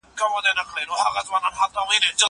زه اوس ځواب ليکم.